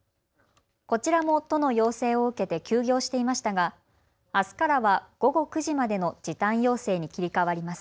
こちらも都の要請を受けて休業していましたがあすからは午後９時までの時短要請に切り替わります。